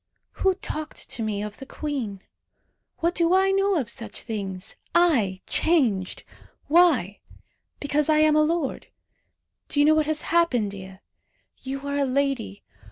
"Who talked to me of the queen? What do I know of such things? I changed! Why? Because I am a lord. Do you know what has happened, Dea? You are a lady.